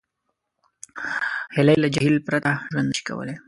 هیلۍ له جهیل پرته ژوند نشي کولی